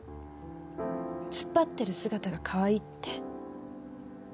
突っ張ってる姿がかわいいって。